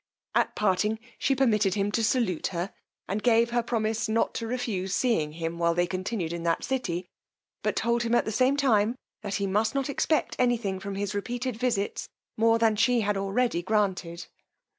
At parting, she permitted him to salute her, and gave her promise not to refuse seeing him while they continued in that city; but told him at the same time, that he must not expect any thing from his repeated visits more than she had already granted.